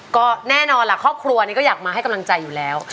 ก็แน่นอนล่ะครอบครัวนี้ก็อยากมาให้กำลังใจอยู่แล้ว